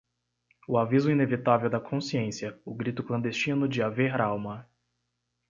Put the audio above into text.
o aviso inevitável da consciência, o grito clandestino de haver alma